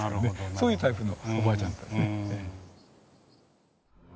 そういうタイプのおばあちゃんだったですね。